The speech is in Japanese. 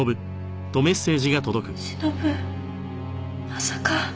まさか。